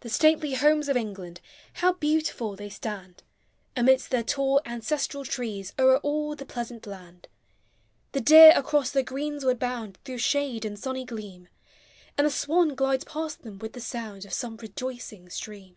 The stately Homes of England, How beautiful they stand! Amidst their tall ancestral trees. O'er all the pleasant land; The deer across their greensward bound Through shade and sunny gleam. And the swan glides past them with the sound Of some rejoicing stream.